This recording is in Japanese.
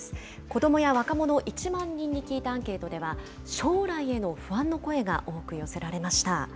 子どもや若者１万人に聞いたアンケートでは、将来への不安の声が多く寄せられました。